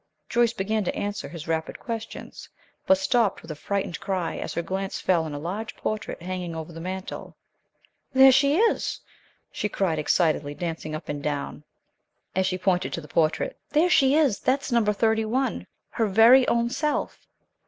Joyce began to answer his rapid questions, but stopped with a frightened cry as her glance fell on a large portrait hanging over the mantel. "There she is!" she cried, excitedly dancing up and down as she pointed to the portrait. "There she is! That's Number Thirty one, her very own self."